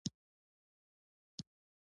د اړتیاو په اړه یې پوښتنې وکړئ.